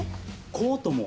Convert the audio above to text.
コートも。